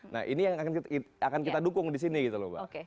nah ini yang akan kita dukung disini gitu loh mbak